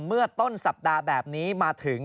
เมื่อต้นสัปดาห์แบบนี้มาถึง